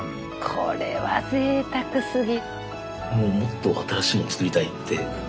これはぜいたくすぎ。